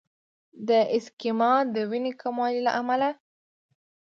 د ایسکیمیا د وینې کموالي له امله ده.